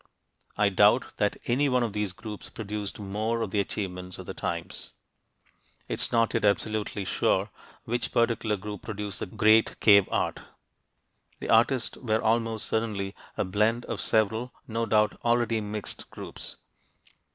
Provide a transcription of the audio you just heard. I doubt that any one of these groups produced most of the achievements of the times. It's not yet absolutely sure which particular group produced the great cave art. The artists were almost certainly a blend of several (no doubt already mixed) groups.